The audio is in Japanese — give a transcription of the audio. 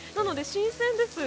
新鮮です。